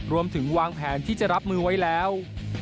รวมถึงวางแผนที่จะรับมือไว้แล้ว